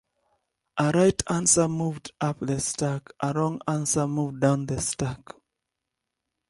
A right answer moved up the stack, a wrong answer moved down the stack.